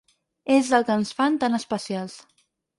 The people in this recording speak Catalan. És el que ens fan tan especials.